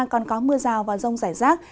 còn có mưa rào và rông rải rác